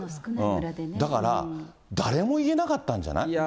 だから、誰も言えなかったんじゃない？